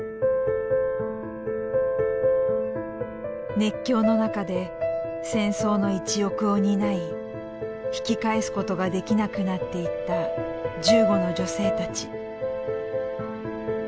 熱狂の中で戦争の一翼を担い引き返すことができなくなっていった銃後の女性たち。